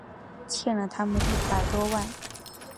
欠了他们一百多万